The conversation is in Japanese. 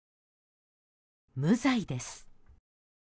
無罪です。